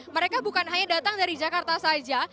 mereka bukan hanya datang dari jakarta saja